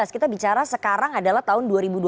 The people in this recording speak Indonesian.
kita bicara sekarang adalah tahun dua ribu dua puluh